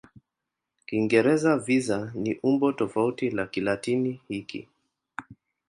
Kiingereza "visa" ni umbo tofauti la Kilatini hiki.